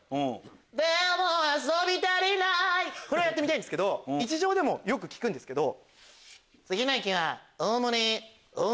でも遊び足りないこれをやってみたいんですけど日常でもよく聞くんですけど。